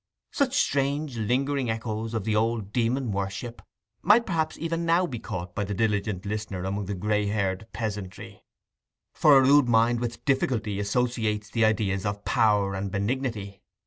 Such strange lingering echoes of the old demon worship might perhaps even now be caught by the diligent listener among the grey haired peasantry; for the rude mind with difficulty associates the ideas of power and benignity.